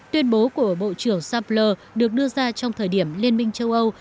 tuyên bố của bộ trưởng sapler được đưa ra trong thời điểm liên minh châu âu